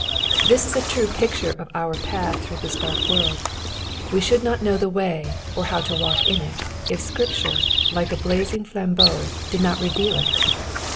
This is a true picture of our path through this dark world : we should not know the way, or how to walk in it, if Scripture, like a blazing flambeau, did not reveal it.